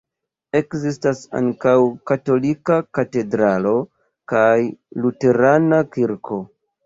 Ekzistas ankaŭ katolika katedralo kaj luterana kirko.